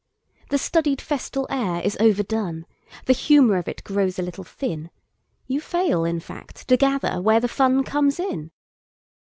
The studied festal air is overdone; The humour of it grows a little thin; You fail, in fact, to gather where the funComes in.